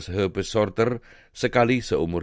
herpes shorter sekali seumur